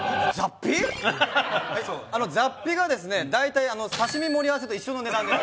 雑費がですね大体刺し身盛り合わせと一緒の値段です。